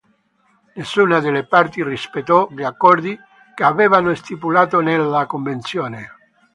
Nessuna delle parti rispettò gli accordi che avevano stipulato nella convenzione.